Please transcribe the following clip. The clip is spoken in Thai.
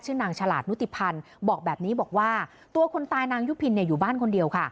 นางฉลาดนุติพันธ์บอกแบบนี้บอกว่าตัวคนตายนางยุพินอยู่บ้านคนเดียวค่ะ